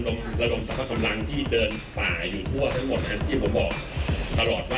ถ้าจะถูกกำลังนิ้วที่จะรู้ว่ามีช่องโตง